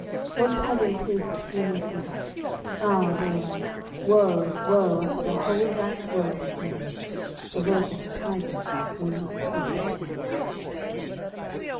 Once having tasted human flesh, ah! then, Woe, woe unto the whole rash world of men. The wakened tiger will not sleep again.